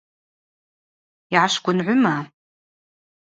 Йгӏашвгвынгӏвыма?